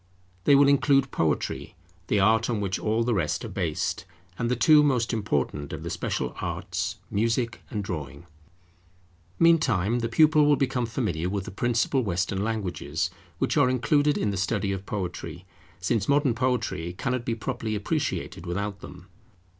They will include Poetry, the art on which all the rest are based; and the two most important of the special arts, music and drawing. Meantime the pupil will become familiar with the principal Western languages, which are included in the study of Poetry, since modern poetry cannot be properly appreciated without them.